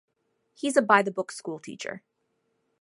He's a by-the-book school teacher.